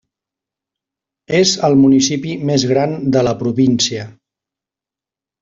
És el municipi més gran de la província.